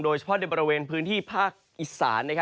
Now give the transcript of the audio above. โดยเฉพาะในบริเวณพื้นที่ภาคอีสาน